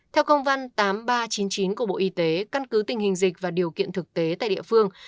theo công văn tám nghìn ba trăm chín mươi chín của bộ y tế căn cứ tình hình dịch và điều kiện thực tế tại địa phương